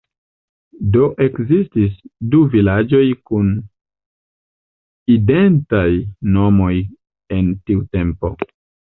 Do ekzistis du vilaĝoj kun identaj nomoj en tiu tempo.